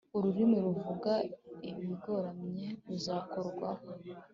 Ururimi ruvuga ibigoramye ruzakurwaho